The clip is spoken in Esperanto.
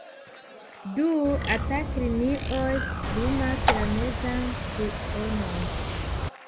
Du „atak-linioj“ limas la mezan trionon.